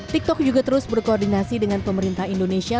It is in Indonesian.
tiktok juga terus berkoordinasi dengan pemerintah indonesia